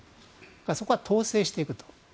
そこは統制していくと。